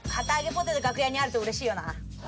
ポテト楽屋にあるとうれしいよな。